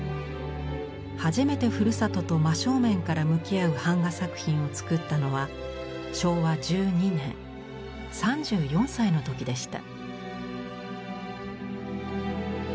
初めてふるさとと真正面から向き合う板画作品をつくったのは昭和１２年３４歳の時でした。